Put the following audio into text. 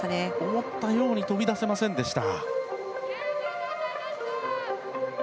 思ったように跳び出せませんでした。